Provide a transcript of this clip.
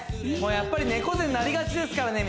やっぱり猫背になりがちですからね